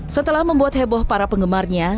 setelah membuat heboh para penggemarnya